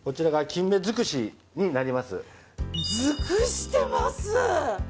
づくしてます！